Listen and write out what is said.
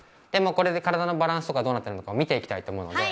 これで体のバランスとかがどうなっているのかを見ていきたいと思うので。